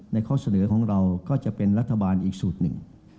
ข้อเสนอของเราก็จะเป็นรัฐบาลอีกสูตรหนึ่ง